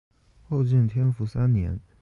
后晋天福三年。